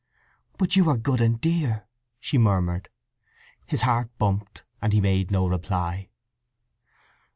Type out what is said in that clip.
"But you are good and dear!" she murmured. His heart bumped, and he made no reply.